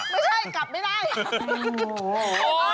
ไม่ใช่กลับไม่ได้